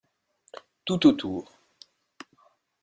Tout autour.